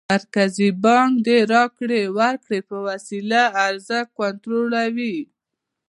مرکزي بانک د راکړو ورکړو په وسیله عرضه کنټرولوي.